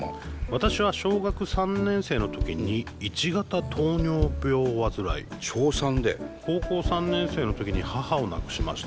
「私は小学３年生の時に１型糖尿病を患い高校３年生の時に母を亡くしました。